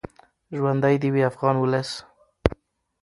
ژوندی دې وي افغان ولس.